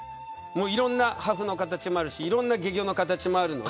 いろんな破風の形もあるしいろんな懸魚の形もあるんで。